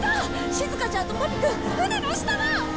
しずかちゃんとパピくん船の下だ！